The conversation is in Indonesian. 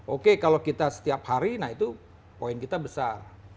oke kalau kita setiap hari nah itu poin kita besar